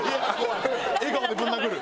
笑顔でぶん殴る。